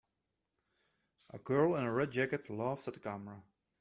A girl in a red jacket laughs at the camera.